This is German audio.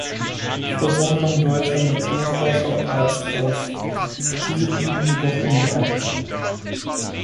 Versammlung deutscher Naturforscher und Ärzte aus; diese blieben jedoch unbeachtet.